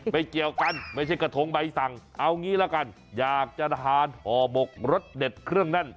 เกี่ยวกันไม่ใช่กระทงใบสั่งเอางี้ละกันอยากจะทานห่อหมกรสเด็ดเครื่องแน่น